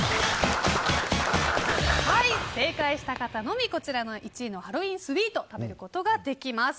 正解した方のみ１位のハロウィンスウィートを食べることができます。